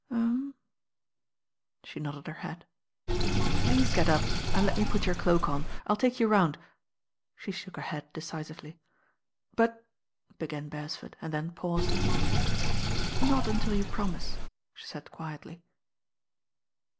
"Ummmm," she nodded her head. "Please get up and let me put your cloak on, I'll take you round " She shook her head decisively. "But " began Beresford, and then paused. THE DELUGE S68 »l ••Not until you promise," she said quietly.